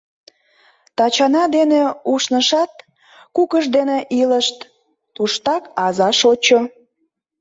Тачана дене ушнышат, кугыж дене илышт, туштак аза шочо.